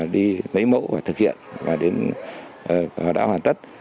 đi lấy mẫu thực hiện và đã hoàn tất